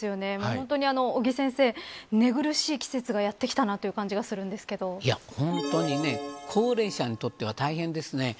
本当に尾木先生、寝苦しい季節がやってきたなという感じが本当にね高齢者にとっては大変ですね。